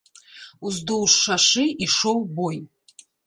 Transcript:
Уздоўж шашы ішоў бой.